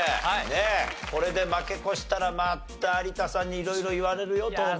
ねえこれで負け越したらまた有田さんに色々言われるよ当分。